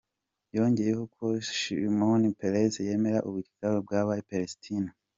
Yongeyeko ko, Shimon Peres yemera ubungane bw’abanye Palestine.